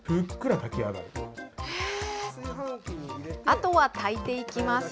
あとは炊いていきます。